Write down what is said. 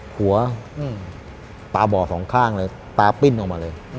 หัวตาบอดสองข้างเลยตาปิ้นออกมาเลย